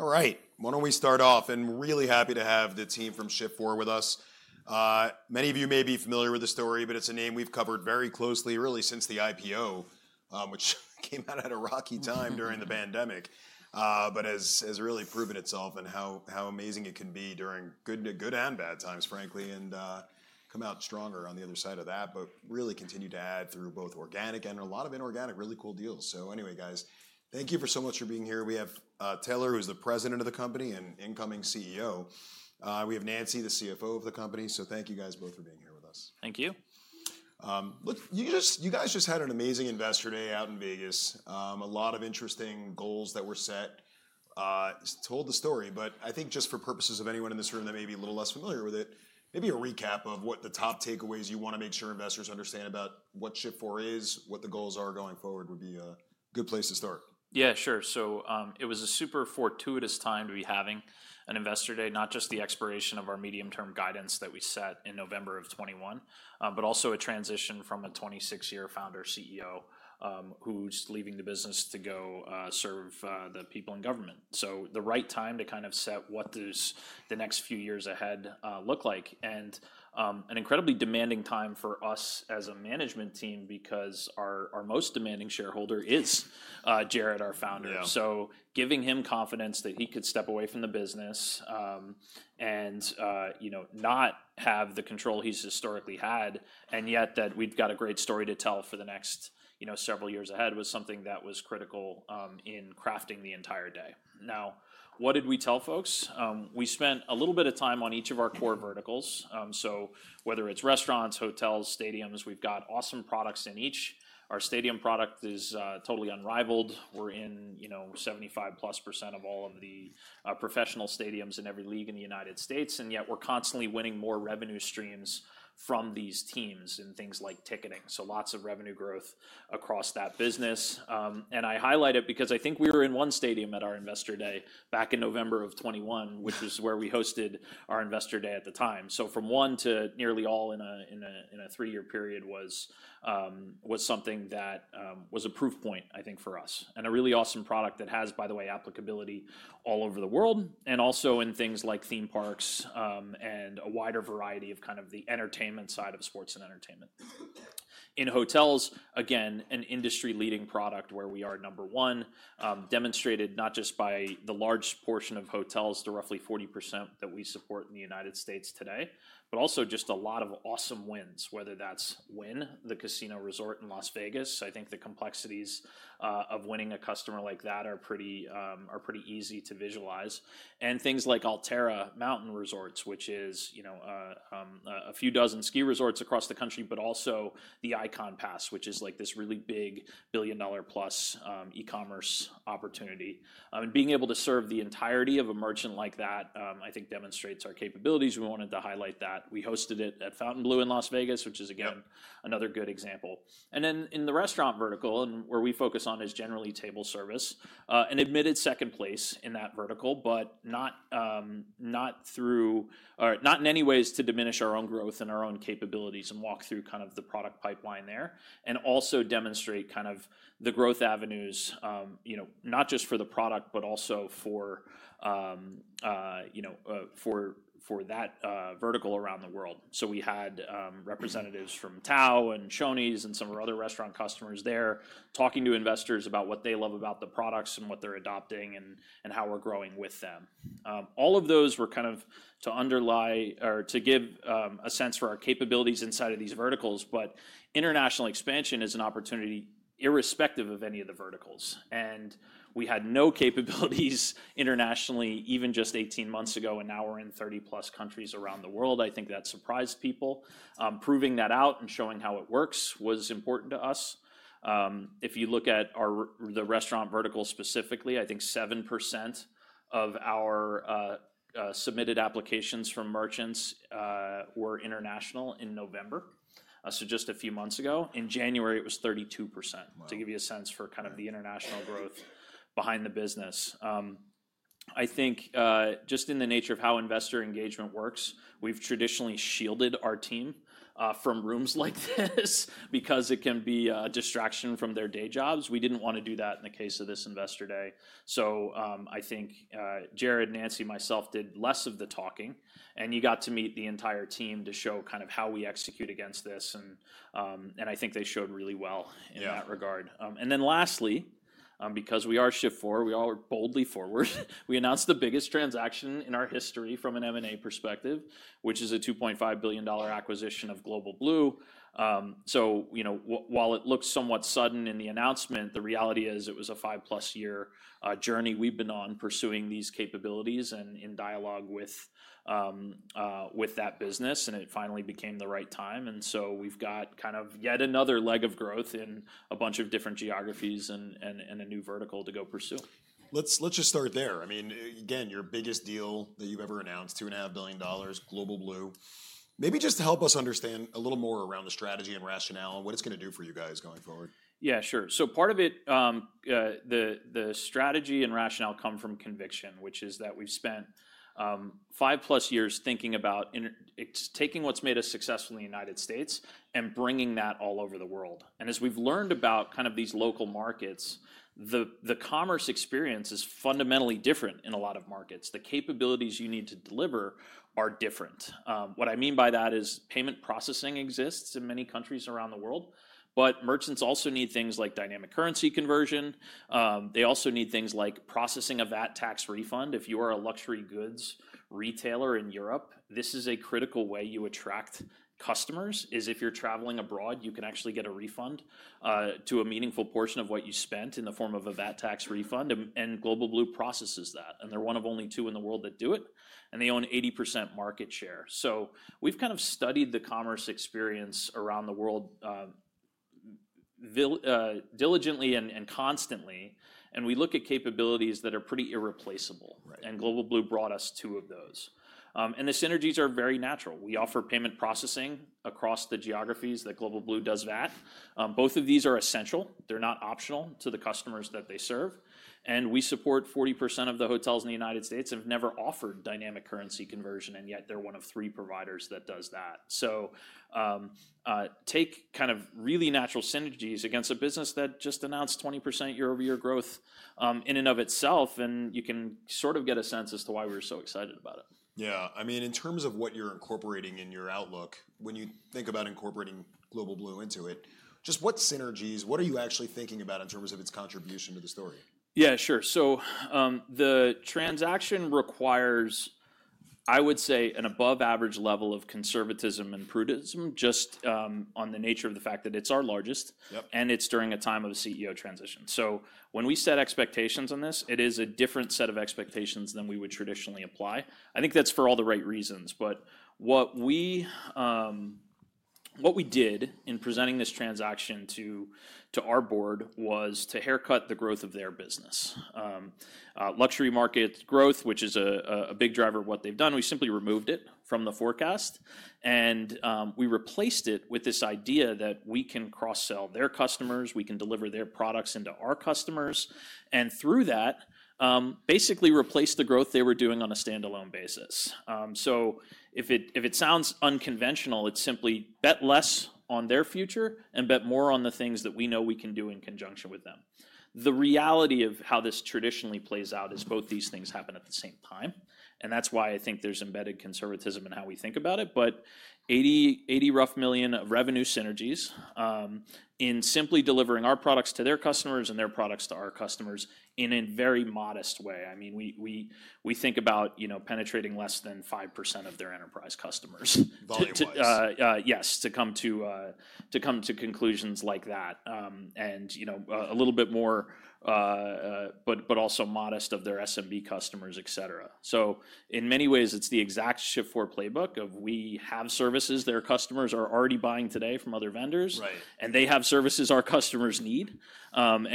All right, why don't we start off? We're really happy to have the team from Shift4 with us. Many of you may be familiar with the story, but it's a name we've covered very closely, really, since the IPO, which came out at a rocky time during the pandemic, but has really proven itself in how amazing it can be during good and bad times, frankly, and come out stronger on the other side of that, but really continued to add through both organic and a lot of inorganic, really cool deals. Anyway, guys, thank you so much for being here. We have Taylor, who's the President of the company and incoming CEO. We have Nancy, the CFO of the company. Thank you guys both for being here with us. Thank you. You guys just had an amazing investor day out in Las Vegas. A lot of interesting goals that were set. Told the story, but I think just for purposes of anyone in this room that may be a little less familiar with it, maybe a recap of what the top takeaways you want to make sure investors understand about what Shift4 is, what the goals are going forward would be a good place to start. Yeah, sure. It was a super fortuitous time to be having an investor day, not just the expiration of our medium-term guidance that we set in November of 2021, but also a transition from a 26-year founder CEO who's leaving the business to go serve the people in government. The right time to kind of set what does the next few years ahead look like. An incredibly demanding time for us as a management team because our most demanding shareholder is Jared, our founder. Giving him confidence that he could step away from the business and not have the control he's historically had, and yet that we've got a great story to tell for the next several years ahead was something that was critical in crafting the entire day. Now, what did we tell folks? We spent a little bit of time on each of our core verticals. Whether it's restaurants, hotels, stadiums, we've got awesome products in each. Our stadium product is totally unrivaled. We're in 75%+ of all of the professional stadiums in every league in the United States. Yet we're constantly winning more revenue streams from these teams and things like ticketing. Lots of revenue growth across that business. I highlight it because I think we were in one stadium at our investor day back in November of 2021, which is where we hosted our investor day at the time. From one to nearly all in a three-year period was something that was a proof point, I think, for us. A really awesome product that has, by the way, applicability all over the world and also in things like theme parks and a wider variety of kind of the entertainment side of sports and entertainment. In hotels, again, an industry-leading product where we are number one, demonstrated not just by the large portion of hotels, the roughly 40% that we support in the United States today, but also just a lot of awesome wins, whether that's Wynn, the casino resort in Las Vegas. I think the complexities of winning a customer like that are pretty easy to visualize. And things like Alterra Mountain Resorts, which is a few dozen ski resorts across the country, but also the Ikon Pass, which is like this really big billion-dollar-plus e-commerce opportunity. Being able to serve the entirety of a merchant like that, I think, demonstrates our capabilities. We wanted to highlight that. We hosted it at Fontainebleau in Las Vegas, which is, again, another good example. In the restaurant vertical, where we focus on is generally table service, an admitted second place in that vertical, but not in any ways to diminish our own growth and our own capabilities and walk through kind of the product pipeline there, and also demonstrate kind of the growth avenues, not just for the product, but also for that vertical around the world. We had representatives from Tao and Shoney's and some of our other restaurant customers there talking to investors about what they love about the products and what they're adopting and how we're growing with them. All of those were kind of to give a sense for our capabilities inside of these verticals, but international expansion is an opportunity irrespective of any of the verticals. We had no capabilities internationally even just 18 months ago, and now we're in 30+ countries around the world. I think that surprised people. Proving that out and showing how it works was important to us. If you look at the restaurant vertical specifically, I think 7% of our submitted applications from merchants were international in November, so just a few months ago. In January, it was 32%, to give you a sense for kind of the international growth behind the business. I think just in the nature of how investor engagement works, we've traditionally shielded our team from rooms like this because it can be a distraction from their day jobs. We did not want to do that in the case of this investor day. I think Jared, Nancy, and myself did less of the talking, and you got to meet the entire team to show kind of how we execute against this. I think they showed really well in that regard. Lastly, because we are Shift4, we are boldly forward. We announced the biggest transaction in our history from an M&A perspective, which is a $2.5 billion acquisition of Global Blue. While it looks somewhat sudden in the announcement, the reality is it was a five-plus year journey we have been on pursuing these capabilities and in dialogue with that business, and it finally became the right time. We have got yet another leg of growth in a bunch of different geographies and a new vertical to go pursue. Let's just start there. I mean, again, your biggest deal that you've ever announced, $2.5 billion, Global Blue, maybe just to help us understand a little more around the strategy and rationale and what it's going to do for you guys going forward. Yeah, sure. Part of it, the strategy and rationale come from conviction, which is that we've spent five-plus years thinking about taking what's made us successful in the United States and bringing that all over the world. As we've learned about kind of these local markets, the commerce experience is fundamentally different in a lot of markets. The capabilities you need to deliver are different. What I mean by that is payment processing exists in many countries around the world, but merchants also need things like dynamic currency conversion. They also need things like processing of VAT tax refund. If you are a luxury goods retailer in Europe, this is a critical way you attract customers, is if you're traveling abroad, you can actually get a refund to a meaningful portion of what you spent in the form of a VAT tax refund. Global Blue processes that. They're one of only two in the world that do it. They own 80% market share. We have kind of studied the commerce experience around the world diligently and constantly, and we look at capabilities that are pretty irreplaceable. Global Blue brought us two of those. The synergies are very natural. We offer payment processing across the geographies that Global Blue does VAT. Both of these are essential. They're not optional to the customers that they serve. We support 40% of the hotels in the United States that have never offered dynamic currency conversion, and yet they're one of three providers that does that. Take kind of really natural synergies against a business that just announced 20% year-over-year growth in and of itself, and you can sort of get a sense as to why we were so excited about it. Yeah. I mean, in terms of what you're incorporating in your outlook, when you think about incorporating Global Blue into it, just what synergies, what are you actually thinking about in terms of its contribution to the story? Yeah, sure. The transaction requires, I would say, an above-average level of conservatism and prudence just on the nature of the fact that it's our largest and it's during a time of a CEO transition. When we set expectations on this, it is a different set of expectations than we would traditionally apply. I think that's for all the right reasons. What we did in presenting this transaction to our board was to haircut the growth of their business. Luxury market growth, which is a big driver of what they've done, we simply removed it from the forecast. We replaced it with this idea that we can cross-sell their customers, we can deliver their products into our customers, and through that, basically replace the growth they were doing on a standalone basis. If it sounds unconventional, it's simply bet less on their future and bet more on the things that we know we can do in conjunction with them. The reality of how this traditionally plays out is both these things happen at the same time. That's why I think there's embedded conservatism in how we think about it. $80 million of revenue synergies in simply delivering our products to their customers and their products to our customers in a very modest way. I mean, we think about penetrating less than 5% of their enterprise customers. Volume-wise. Yes, to come to conclusions like that and a little bit more, but also modest of their SMB customers, et cetera. In many ways, it's the exact Shift4 playbook of we have services their customers are already buying today from other vendors, and they have services our customers need.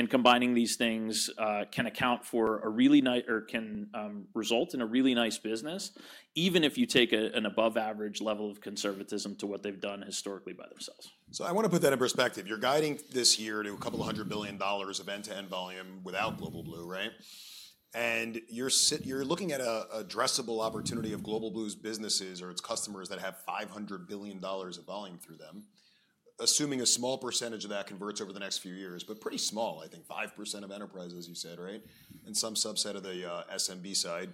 Combining these things can account for a really nice or can result in a really nice business, even if you take an above-average level of conservatism to what they've done historically by themselves. I want to put that in perspective. You're guiding this year to a couple of hundred billion dollars of end-to-end volume without Global Blue, right? And you're looking at an addressable opportunity of Global Blue's businesses or its customers that have $500 billion of volume through them, assuming a small percentage of that converts over the next few years, but pretty small, I think, 5% of enterprises, you said, right, and some subset of the SMB side.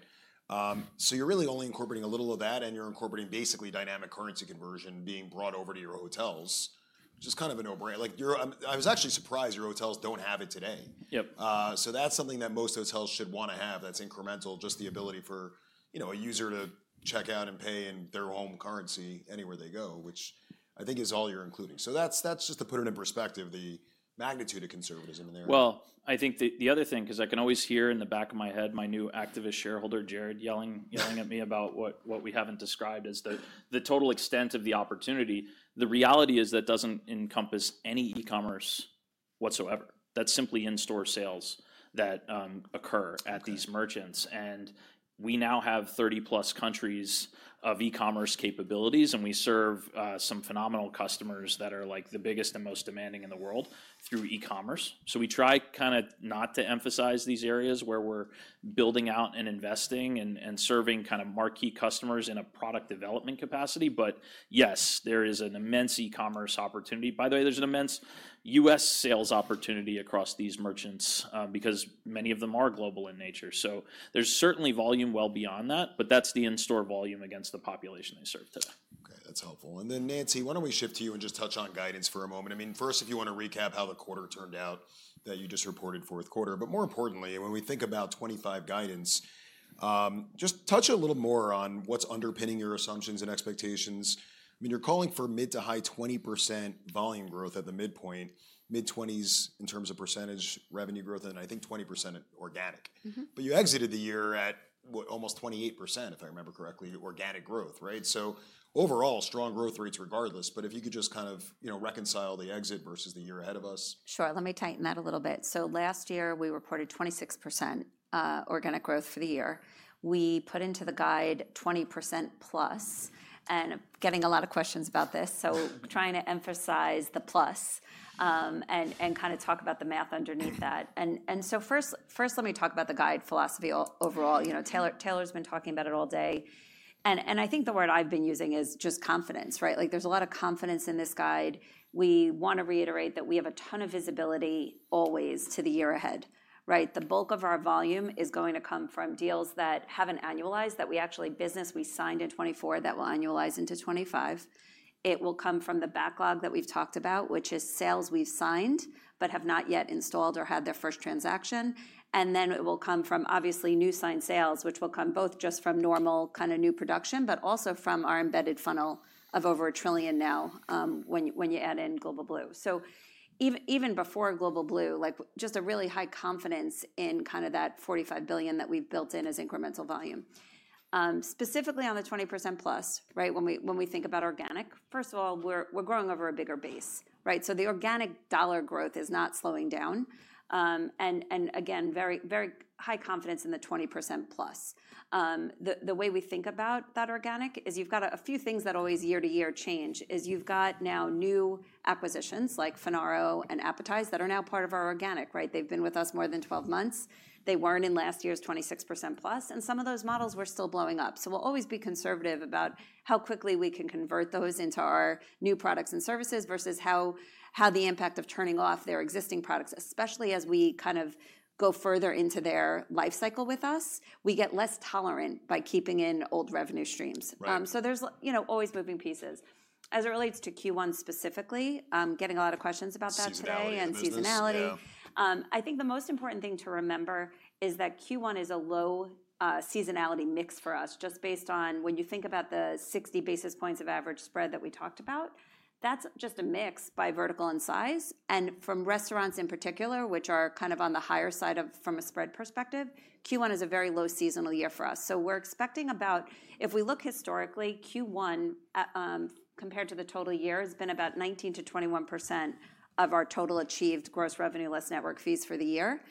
You're really only incorporating a little of that, and you're incorporating basically dynamic currency conversion being brought over to your hotels, which is kind of a no-brainer. I was actually surprised your hotels don't have it today. That's something that most hotels should want to have that's incremental, just the ability for a user to check out and pay in their home currency anywhere they go, which I think is all you're including. That's just to put it in perspective, the magnitude of conservatism in there. I think the other thing, because I can always hear in the back of my head my new activist shareholder, Jared, yelling at me about what we have not described as the total extent of the opportunity, the reality is that does not encompass any e-commerce whatsoever. That is simply in-store sales that occur at these merchants. We now have 30+ countries of e-commerce capabilities, and we serve some phenomenal customers that are like the biggest and most demanding in the world through e-commerce. We try kind of not to emphasize these areas where we are building out and investing and serving kind of marquee customers in a product development capacity. Yes, there is an immense e-commerce opportunity. By the way, there is an immense U.S. sales opportunity across these merchants because many of them are global in nature. There is certainly volume well beyond that, but that's the in-store volume against the population they serve today. Okay. That's helpful. Nancy, why don't we shift to you and just touch on guidance for a moment? I mean, first, if you want to recap how the quarter turned out that you just reported, fourth quarter. More importantly, when we think about 2025 guidance, just touch a little more on what's underpinning your assumptions and expectations. I mean, you're calling for mid to high 20% volume growth at the midpoint, mid-20s in terms of percentage revenue growth, and I think 20% organic. You exited the year at, what, almost 28%, if I remember correctly, organic growth, right? Overall, strong growth rates regardless. If you could just kind of reconcile the exit versus the year ahead of us. Sure. Let me tighten that a little bit. Last year, we reported 26% organic growth for the year. We put into the guide 20%+, and I'm getting a lot of questions about this. Trying to emphasize the plus and kind of talk about the math underneath that. First, let me talk about the guide philosophy overall. Taylor's been talking about it all day. I think the word I've been using is just confidence, right? There's a lot of confidence in this guide. We want to reiterate that we have a ton of visibility always to the year ahead, right? The bulk of our volume is going to come from deals that haven't annualized, that we actually business we signed in 2024 that will annualize into 2025. It will come from the backlog that we've talked about, which is sales we've signed but have not yet installed or had their first transaction. It will come from, obviously, new signed sales, which will come both just from normal kind of new production, but also from our embedded funnel of over a trillion now when you add in Global Blue. Even before Global Blue, just a really high confidence in kind of that $45 billion that we've built in as incremental volume. Specifically on the 20%+, right, when we think about organic, first of all, we're growing over a bigger base, right? The organic dollar growth is not slowing down. Again, very high confidence in the 20%+. The way we think about that organic is you've got a few things that always year to year change, is you've got now new acquisitions like Finaro and Appetize that are now part of our organic, right? They've been with us more than 12 months. They weren't in last year's 26%+, and some of those models were still blowing up. We'll always be conservative about how quickly we can convert those into our new products and services versus how the impact of turning off their existing products, especially as we kind of go further into their life cycle with us, we get less tolerant by keeping in old revenue streams. There's always moving pieces. As it relates to Q1 specifically, getting a lot of questions about that today and seasonality. I think the most important thing to remember is that Q1 is a low seasonality mix for us, just based on when you think about the 60 basis points of average spread that we talked about, that's just a mix by vertical and size. From restaurants in particular, which are kind of on the higher side from a spread perspective, Q1 is a very low seasonal year for us. We are expecting about, if we look historically, Q1 compared to the total year has been about 19%-21% of our total achieved gross revenue less network fees for the year.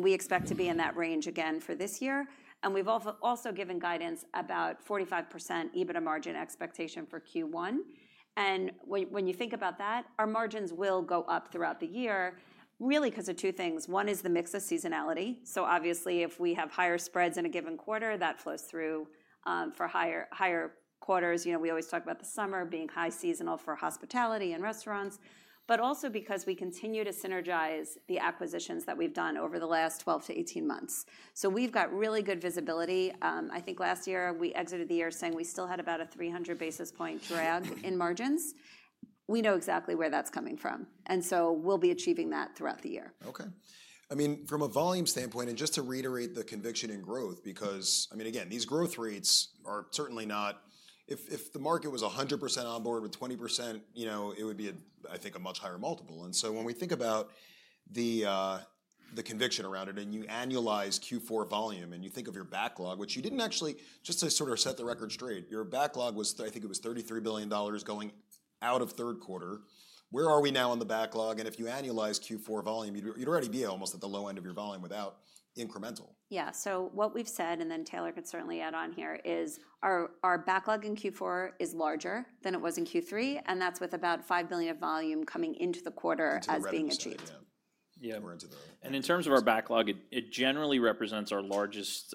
We expect to be in that range again for this year. We have also given guidance about 45% EBITDA margin expectation for Q1. When you think about that, our margins will go up throughout the year, really because of two things. One is the mix of seasonality. Obviously, if we have higher spreads in a given quarter, that flows through for higher quarters. We always talk about the summer being high seasonal for hospitality and restaurants, also because we continue to synergize the acquisitions that we've done over the last 12 to 18 months. We've got really good visibility. I think last year we exited the year saying we still had about a 300 basis point drag in margins. We know exactly where that's coming from. We will be achieving that throughout the year. Okay. I mean, from a volume standpoint, and just to reiterate the conviction in growth, because I mean, again, these growth rates are certainly not if the market was 100% on board with 20%, it would be, I think, a much higher multiple. When we think about the conviction around it and you annualize Q4 volume and you think of your backlog, which you didn't actually just to sort of set the record straight, your backlog was, I think it was $33 billion going out of third quarter. Where are we now in the backlog? If you annualize Q4 volume, you'd already be almost at the low end of your volume without incremental. Yeah. What we've said, and then Taylor can certainly add on here, is our backlog in Q4 is larger than it was in Q3, and that's with about $5 billion of volume coming into the quarter as being achieved. Yeah. We're into the. In terms of our backlog, it generally represents our largest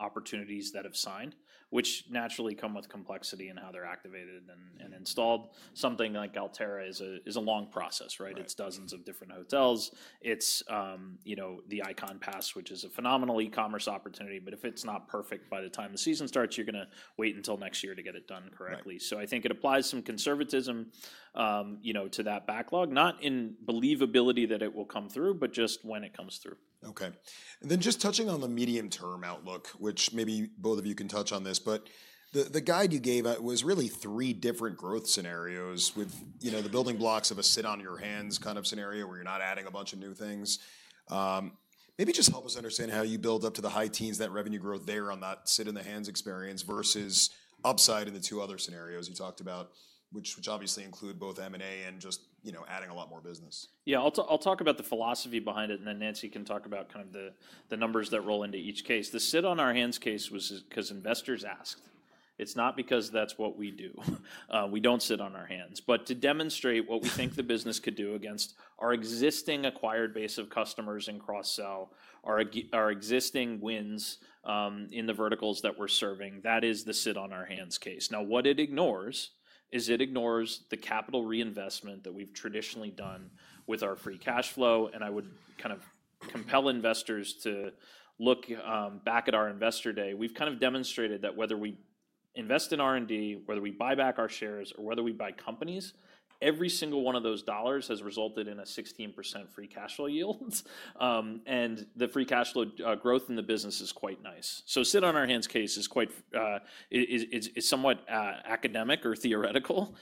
opportunities that have signed, which naturally come with complexity in how they're activated and installed. Something like Alterra is a long process, right? It's dozens of different hotels. It's the Ikon Pass, which is a phenomenal e-commerce opportunity. If it's not perfect by the time the season starts, you're going to wait until next year to get it done correctly. I think it applies some conservatism to that backlog, not in believability that it will come through, but just when it comes through. Okay. Just touching on the medium-term outlook, which maybe both of you can touch on this, but the guide you gave was really three different growth scenarios with the building blocks of a sit-on-your-hands kind of scenario where you're not adding a bunch of new things. Maybe just help us understand how you build up to the high teens that revenue growth there on that sit-on-your-hands experience versus upside in the two other scenarios you talked about, which obviously include both M&A and just adding a lot more business. Yeah. I'll talk about the philosophy behind it, and then Nancy can talk about kind of the numbers that roll into each case. The sit-on-our-hands case was because investors asked. It's not because that's what we do. We don't sit on our hands. To demonstrate what we think the business could do against our existing acquired base of customers and cross-sell, our existing wins in the verticals that we're serving, that is the sit-on-our-hands case. Now, what it ignores is it ignores the capital reinvestment that we've traditionally done with our free cash flow. I would kind of compel investors to look back at our investor day. We've kind of demonstrated that whether we invest in R&D, whether we buy back our shares, or whether we buy companies, every single one of those dollars has resulted in a 16% free cash flow yield. The free cash flow growth in the business is quite nice. The sit-on-our-hands case is somewhat academic or theoretical.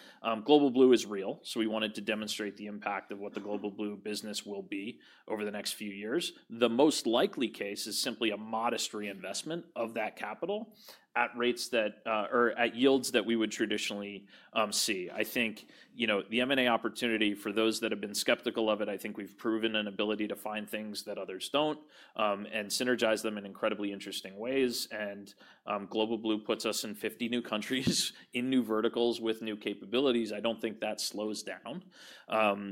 Global Blue is real. We wanted to demonstrate the impact of what the Global Blue business will be over the next few years. The most likely case is simply a modest reinvestment of that capital at rates or at yields that we would traditionally see. I think the M&A opportunity, for those that have been skeptical of it, I think we've proven an ability to find things that others do not and synergize them in incredibly interesting ways. Global Blue puts us in 50 new countries, in new verticals with new capabilities. I do not think that slows down.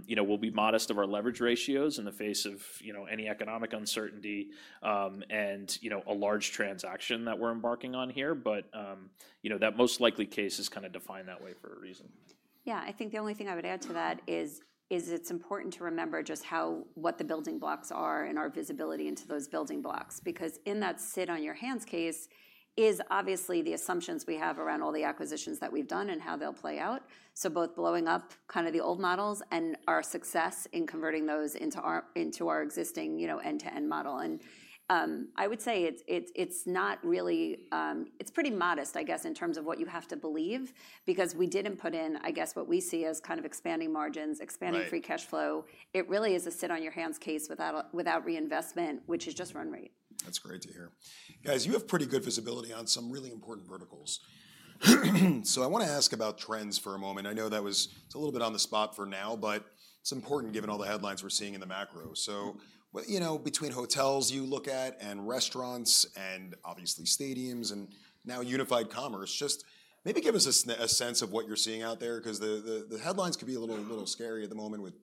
We'll be modest of our leverage ratios in the face of any economic uncertainty and a large transaction that we're embarking on here. That most likely case is kind of defined that way for a reason. Yeah. I think the only thing I would add to that is it's important to remember just what the building blocks are and our visibility into those building blocks. Because in that sit-on-your-hands case is obviously the assumptions we have around all the acquisitions that we've done and how they'll play out. Both blowing up kind of the old models and our success in converting those into our existing end-to-end model. I would say it's not really, it's pretty modest, I guess, in terms of what you have to believe, because we didn't put in, I guess, what we see as kind of expanding margins, expanding free cash flow. It really is a sit-on-your-hands case without reinvestment, which is just run rate. That's great to hear. Guys, you have pretty good visibility on some really important verticals. I want to ask about trends for a moment. I know that was a little bit on the spot for now, but it's important given all the headlines we're seeing in the macro. Between hotels you look at and restaurants and obviously stadiums and now unified commerce, just maybe give us a sense of what you're seeing out there, because the headlines could be a little scary at the moment with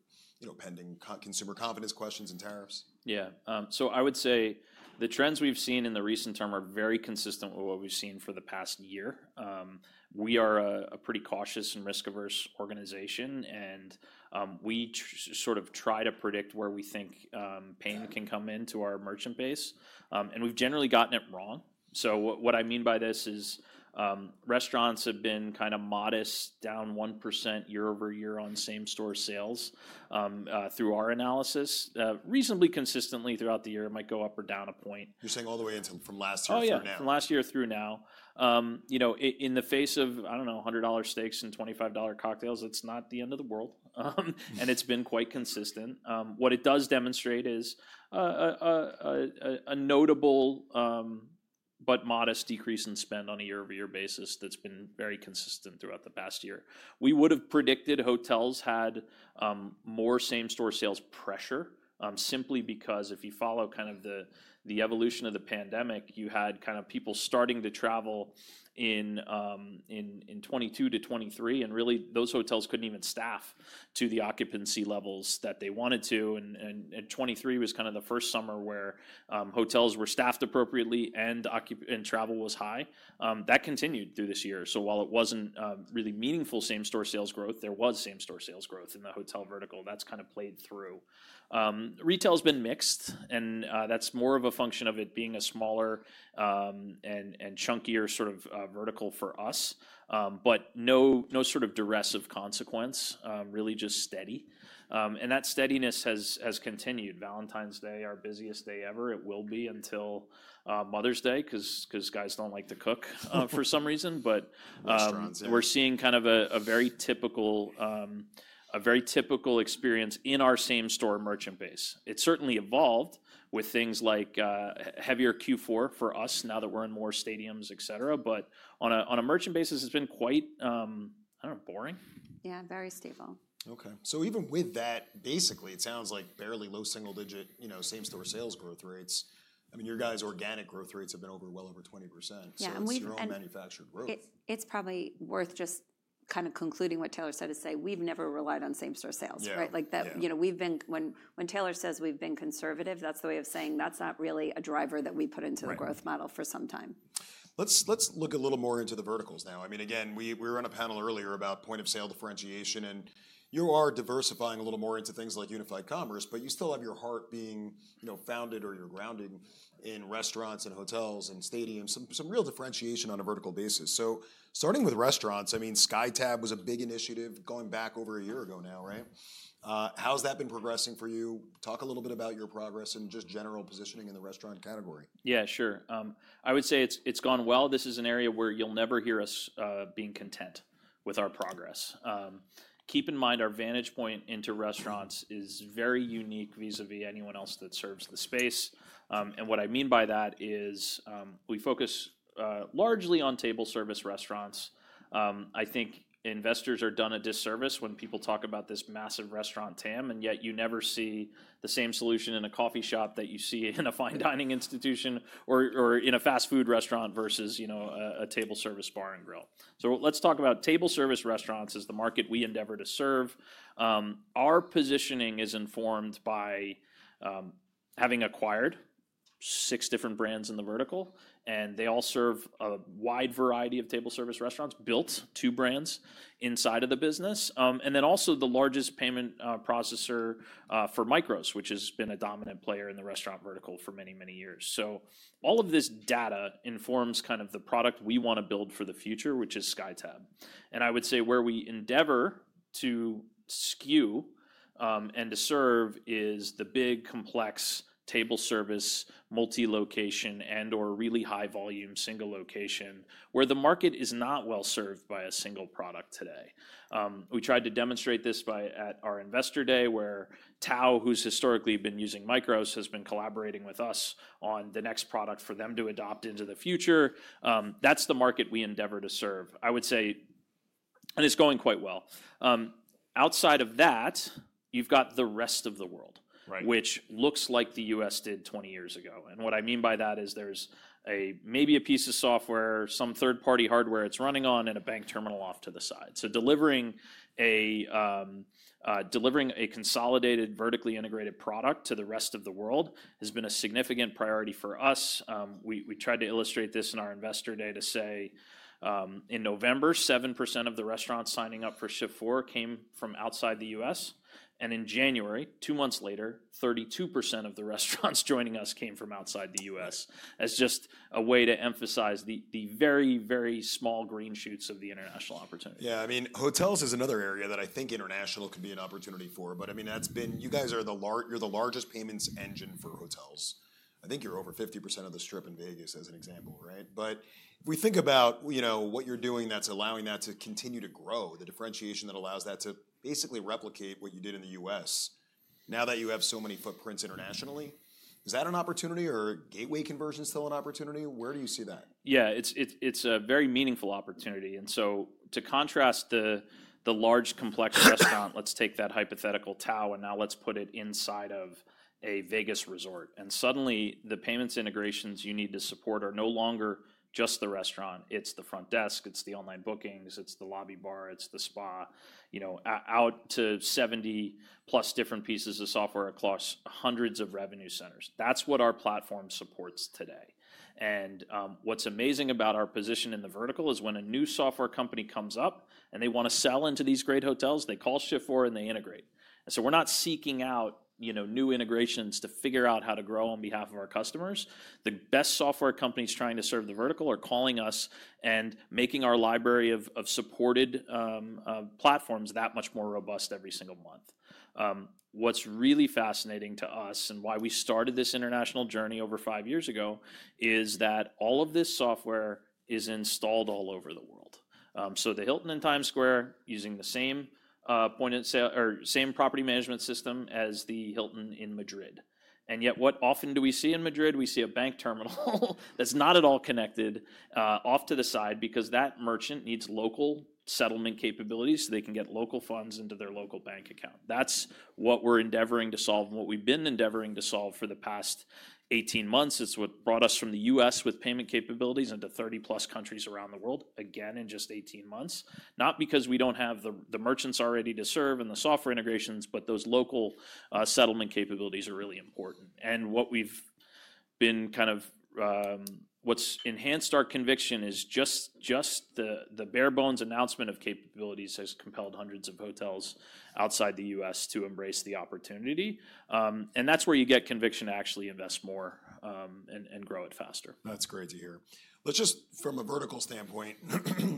pending consumer confidence questions and tariffs. Yeah. I would say the trends we've seen in the recent term are very consistent with what we've seen for the past year. We are a pretty cautious and risk-averse organization, and we sort of try to predict where we think pain can come into our merchant base. We've generally gotten it wrong. What I mean by this is restaurants have been kind of modest, down 1% year-over-year on same-store sales through our analysis. Reasonably consistently throughout the year, it might go up or down a point. You're saying all the way from last year through now? Oh, yeah. From last year through now. In the face of, I don't know, $100 steaks and $25 cocktails, it's not the end of the world. And it's been quite consistent. What it does demonstrate is a notable but modest decrease in spend on a year-over-year basis that's been very consistent throughout the past year. We would have predicted hotels had more same-store sales pressure simply because if you follow kind of the evolution of the pandemic, you had kind of people starting to travel in 2022 to 2023, and really those hotels couldn't even staff to the occupancy levels that they wanted to. And 2023 was kind of the first summer where hotels were staffed appropriately and travel was high. That continued through this year. So while it wasn't really meaningful same-store sales growth, there was same-store sales growth in the hotel vertical. That's kind of played through. Retail has been mixed, and that's more of a function of it being a smaller and chunkier sort of vertical for us, but no sort of duress of consequence, really just steady. That steadiness has continued. Valentine's Day is our busiest day ever. It will be until Mother's Day because guys don't like to cook for some reason. We're seeing kind of a very typical experience in our same-store merchant base. It certainly evolved with things like heavier Q4 for us now that we're in more stadiums, etc. On a merchant basis, it's been quite, I don't know, boring. Yeah, very stable. Okay. Even with that, basically, it sounds like barely low single-digit same-store sales growth rates. I mean, your guys' organic growth rates have been well over 20%. Yeah. We've. Strong manufactured growth. It's probably worth just kind of concluding what Taylor said to say, we've never relied on same-store sales, right? When Taylor says we've been conservative, that's the way of saying that's not really a driver that we put into the growth model for some time. Let's look a little more into the verticals now. I mean, again, we were on a panel earlier about point of sale differentiation, and you are diversifying a little more into things like unified commerce, but you still have your heart being founded or your grounding in restaurants and hotels and stadiums, some real differentiation on a vertical basis. Starting with restaurants, I mean, SkyTab was a big initiative going back over a year ago now, right? How has that been progressing for you? Talk a little bit about your progress and just general positioning in the restaurant category. Yeah, sure. I would say it's gone well. This is an area where you'll never hear us being content with our progress. Keep in mind our vantage point into restaurants is very unique vis-à-vis anyone else that serves the space. What I mean by that is we focus largely on table service restaurants. I think investors are done a disservice when people talk about this massive restaurant TAM, and yet you never see the same solution in a coffee shop that you see in a fine dining institution or in a fast food restaurant versus a table service bar and grill. Let's talk about table service restaurants as the market we endeavor to serve. Our positioning is informed by having acquired six different brands in the vertical, and they all serve a wide variety of table service restaurants built to brands inside of the business, and then also the largest payment processor for MICROS, which has been a dominant player in the restaurant vertical for many, many years. All of this data informs kind of the product we want to build for the future, which is SkyTab. I would say where we endeavor to skew and to serve is the big, complex table service, multi-location and/or really high-volume single location where the market is not well served by a single product today. We tried to demonstrate this at our investor day where Tao, who's historically been using MICROS, has been collaborating with us on the next product for them to adopt into the future. That's the market we endeavor to serve. I would say, and it's going quite well. Outside of that, you've got the rest of the world, which looks like the U.S. did 20 years ago. What I mean by that is there's maybe a piece of software, some third-party hardware it's running on, and a bank terminal off to the side. Delivering a consolidated vertically integrated product to the rest of the world has been a significant priority for us. We tried to illustrate this in our investor day to say in November, 7% of the restaurants signing up for Shift4 came from outside the U.S. In January, two months later, 32% of the restaurants joining us came from outside the U.S. as just a way to emphasize the very, very small green shoots of the international opportunity. Yeah. I mean, hotels is another area that I think international could be an opportunity for. I mean, you guys are the largest payments engine for hotels. I think you're over 50% of the strip in Las Vegas as an example, right? If we think about what you're doing that's allowing that to continue to grow, the differentiation that allows that to basically replicate what you did in the U.S. now that you have so many footprints internationally, is that an opportunity or gateway conversion still an opportunity? Where do you see that? Yeah. It's a very meaningful opportunity. To contrast the large complex restaurant, let's take that hypothetical Tao and now let's put it inside of a Vegas resort. Suddenly the payments integrations you need to support are no longer just the restaurant. It's the front desk. It's the online bookings. It's the lobby bar. It's the spa. Out to 70+ different pieces of software across hundreds of revenue centers. That's what our platform supports today. What's amazing about our position in the vertical is when a new software company comes up and they want to sell into these great hotels, they call Shift4 and they integrate. We're not seeking out new integrations to figure out how to grow on behalf of our customers. The best software companies trying to serve the vertical are calling us and making our library of supported platforms that much more robust every single month. What's really fascinating to us and why we started this international journey over five years ago is that all of this software is installed all over the world. The Hilton in Times Square is using the same point of sale or same property management system as the Hilton in Madrid. Yet what often do we see in Madrid? We see a bank terminal that's not at all connected off to the side because that merchant needs local settlement capabilities so they can get local funds into their local bank account. That's what we're endeavoring to solve and what we've been endeavoring to solve for the past 18 months. It's what brought us from the U.S. with payment capabilities into 30+ countries around the world, again, in just 18 months. Not because we do not have the merchants already to serve and the software integrations, but those local settlement capabilities are really important. What has enhanced our conviction is just the bare bones announcement of capabilities has compelled hundreds of hotels outside the U.S. to embrace the opportunity. That is where you get conviction to actually invest more and grow it faster. That's great to hear. Let's just, from a vertical standpoint,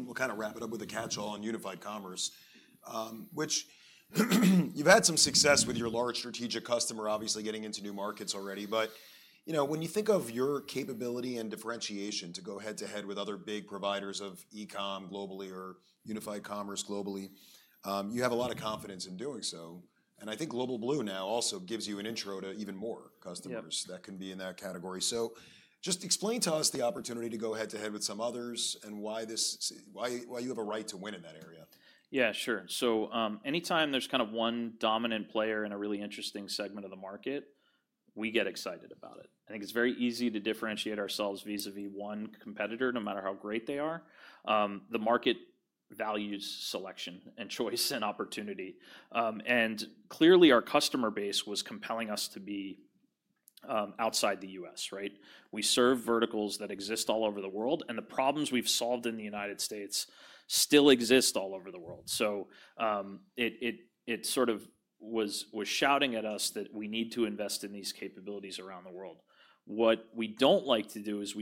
we'll kind of wrap it up with a catch-all on unified commerce, which you've had some success with your large strategic customer, obviously getting into new markets already. When you think of your capability and differentiation to go head-to-head with other big providers of e-com globally or unified commerce globally, you have a lot of confidence in doing so. I think Global Blue now also gives you an intro to even more customers that can be in that category. Just explain to us the opportunity to go head-to-head with some others and why you have a right to win in that area. Yeah, sure. Anytime there's kind of one dominant player in a really interesting segment of the market, we get excited about it. I think it's very easy to differentiate ourselves vis-à-vis one competitor, no matter how great they are. The market values selection and choice and opportunity. Clearly our customer base was compelling us to be outside the U.S., right? We serve verticals that exist all over the world, and the problems we've solved in the United States still exist all over the world. It sort of was shouting at us that we need to invest in these capabilities around the world. What we don't like to do is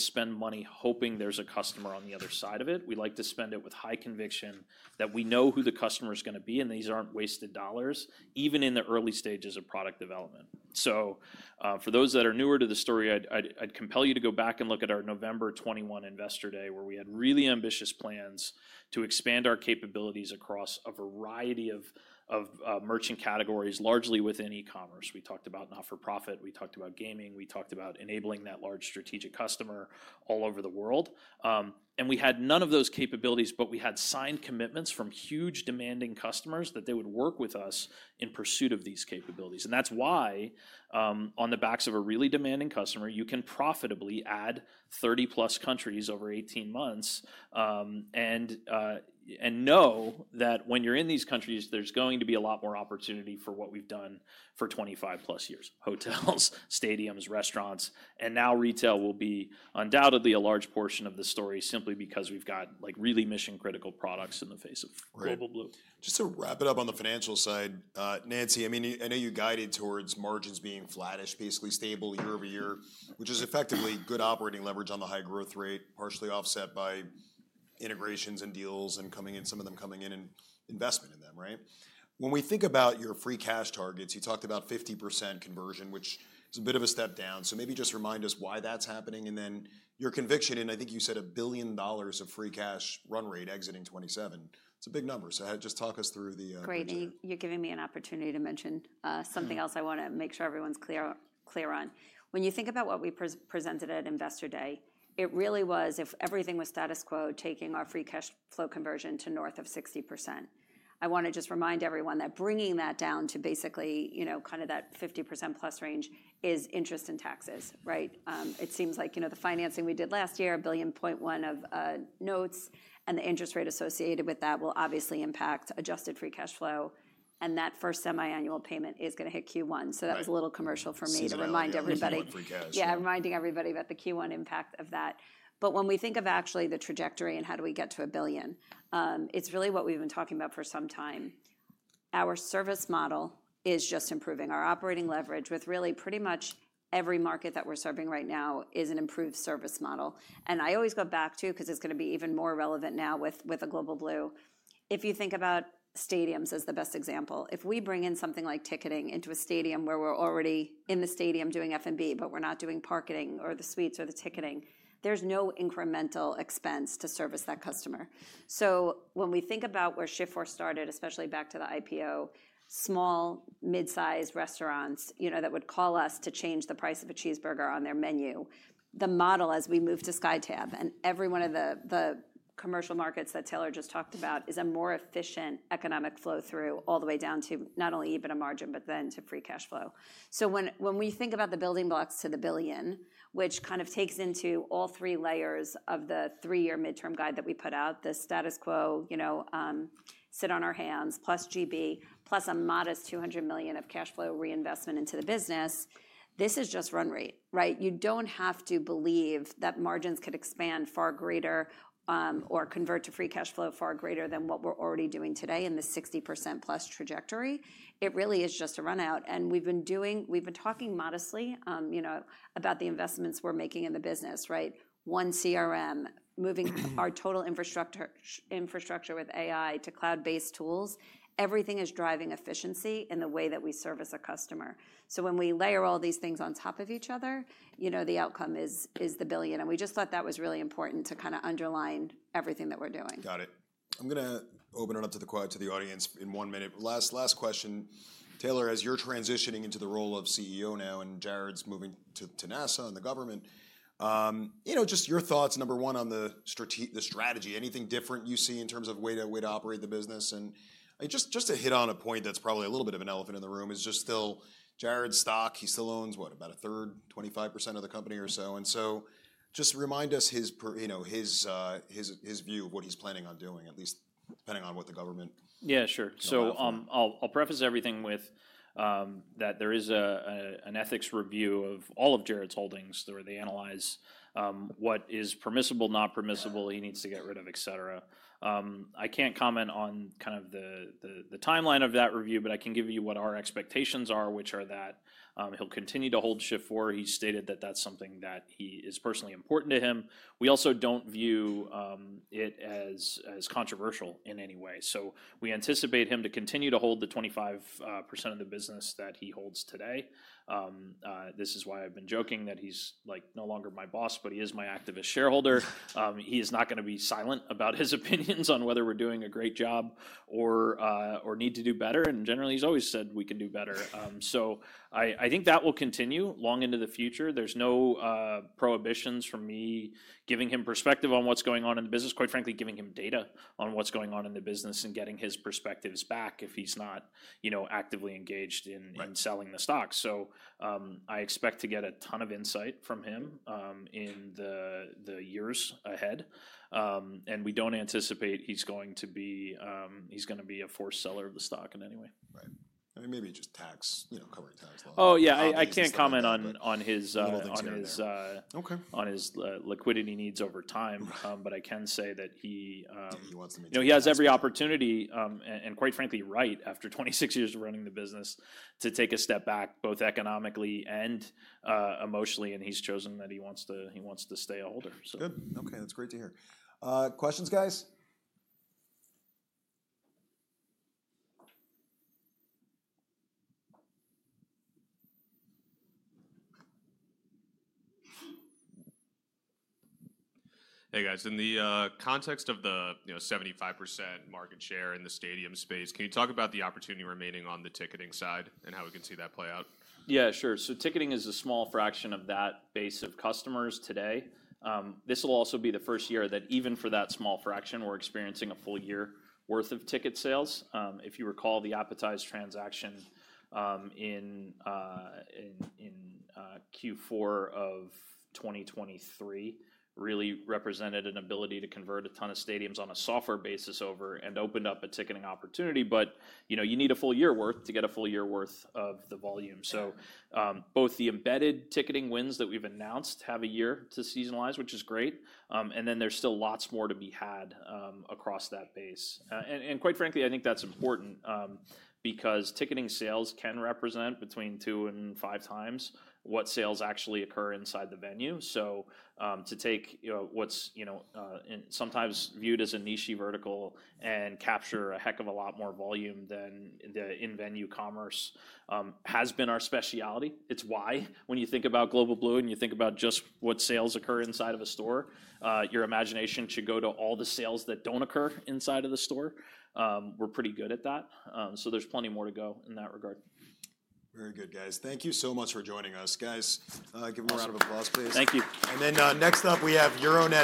spend money hoping there's a customer on the other side of it. We like to spend it with high conviction that we know who the customer is going to be and these aren't wasted dollars, even in the early stages of product development. For those that are newer to the story, I'd compel you to go back and look at our November 2021 investor day where we had really ambitious plans to expand our capabilities across a variety of merchant categories, largely within e-commerce. We talked about not-for-profit. We talked about gaming. We talked about enabling that large strategic customer all over the world. We had none of those capabilities, but we had signed commitments from huge demanding customers that they would work with us in pursuit of these capabilities. That is why on the backs of a really demanding customer, you can profitably add 30+ countries over 18 months and know that when you are in these countries, there is going to be a lot more opportunity for what we have done for 25+ years: hotels, stadiums, restaurants. Now retail will be undoubtedly a large portion of the story simply because we have got really mission-critical products in the face of Global Blue. Just to wrap it up on the financial side, Nancy, I mean, I know you guided towards margins being flattish, basically stable year over year, which is effectively good operating leverage on the high growth rate, partially offset by integrations and deals and some of them coming in and investment in them, right? When we think about your free cash targets, you talked about 50% conversion, which is a bit of a step down. Maybe just remind us why that's happening and then your conviction. I think you said a billion dollars of free cash run rate exiting 2027. It's a big number. Just talk us through the. Great. You're giving me an opportunity to mention something else I want to make sure everyone's clear on. When you think about what we presented at investor day, it really was if everything was status quo, taking our free cash flow conversion to north of 60%. I want to just remind everyone that bringing that down to basically kind of that 50%+ range is interest and taxes, right? It seems like the financing we did last year, $1.1 billion of notes and the interest rate associated with that will obviously impact adjusted free cash flow. That first semiannual payment is going to hit Q1. That was a little commercial for me to remind everybody. Adjusted free cash. Yeah, reminding everybody about the Q1 impact of that. When we think of actually the trajectory and how do we get to a billion, it's really what we've been talking about for some time. Our service model is just improving. Our operating leverage with really pretty much every market that we're serving right now is an improved service model. I always go back to, because it's going to be even more relevant now with Global Blue, if you think about stadiums as the best example, if we bring in something like ticketing into a stadium where we're already in the stadium doing F&B, but we're not doing parking or the suites or the ticketing, there's no incremental expense to service that customer. When we think about where Shift4 started, especially back to the IPO, small, mid-sized restaurants that would call us to change the price of a cheeseburger on their menu, the model as we move to SkyTab and every one of the commercial markets that Taylor just talked about is a more efficient economic flow through all the way down to not only even a margin, but then to free cash flow. When we think about the building blocks to the billion, which kind of takes into all three layers of the three-year midterm guide that we put out, the status quo sit on our hands plus GB plus a modest $200 million of cash flow reinvestment into the business, this is just run rate, right? You don't have to believe that margins could expand far greater or convert to free cash flow far greater than what we're already doing today in the 60%+ trajectory. It really is just a run-out. We've been talking modestly about the investments we're making in the business, right? One CRM, moving our total infrastructure with AI to cloud-based tools, everything is driving efficiency in the way that we service a customer. When we layer all these things on top of each other, the outcome is the billion. We just thought that was really important to kind of underline everything that we're doing. Got it. I'm going to open it up to the audience in one minute. Last question. Taylor, as you're transitioning into the role of CEO now and Jared's moving to NASA and the government, just your thoughts, number one, on the strategy, anything different you see in terms of way to operate the business? Just to hit on a point that's probably a little bit of an elephant in the room is just still Jared's stock, he still owns what, about a third, 25% of the company or so. Just remind us his view of what he's planning on doing, at least depending on what the government. Yeah, sure. I'll preface everything with that there is an ethics review of all of Jared's holdings where they analyze what is permissible, not permissible, he needs to get rid of, et cetera. I can't comment on kind of the timeline of that review, but I can give you what our expectations are, which are that he'll continue to hold Shift4. He stated that that's something that is personally important to him. We also don't view it as controversial in any way. We anticipate him to continue to hold the 25% of the business that he holds today. This is why I've been joking that he's no longer my boss, but he is my activist shareholder. He is not going to be silent about his opinions on whether we're doing a great job or need to do better. Generally, he's always said we can do better. I think that will continue long into the future. There's no prohibitions from me giving him perspective on what's going on in the business, quite frankly, giving him data on what's going on in the business and getting his perspectives back if he's not actively engaged in selling the stock. I expect to get a ton of insight from him in the years ahead. We don't anticipate he's going to be a forced seller of the stock in any way. Right. I mean, maybe just covering tax law. Oh, yeah. I can't comment on his liquidity needs over time, but I can say that he. He wants to maintain. No, he has every opportunity, and quite frankly, right after 26 years of running the business to take a step back both economically and emotionally. He's chosen that he wants to stay, older, so. Good. Okay. That's great to hear. Questions, guys? Hey, guys. In the context of the 75% market share in the stadium space, can you talk about the opportunity remaining on the ticketing side and how we can see that play out? Yeah, sure. Ticketing is a small fraction of that base of customers today. This will also be the first year that even for that small fraction, we're experiencing a full year worth of ticket sales. If you recall, the Appetize transaction in Q4 of 2023 really represented an ability to convert a ton of stadiums on a software basis over and opened up a ticketing opportunity. You need a full year worth to get a full year worth of the volume. Both the embedded ticketing wins that we've announced have a year to seasonalize, which is great. There is still lots more to be had across that base. Quite frankly, I think that's important because ticketing sales can represent between two and five times what sales actually occur inside the venue. To take what's sometimes viewed as a niche vertical and capture a heck of a lot more volume than the in-venue commerce has been our specialty. It's why when you think about Global Blue and you think about just what sales occur inside of a store, your imagination should go to all the sales that don't occur inside of the store. We're pretty good at that. There is plenty more to go in that regard. Very good, guys. Thank you so much for joining us. Guys, give them a round of applause, please. Thank you. Next up, we have Yaron.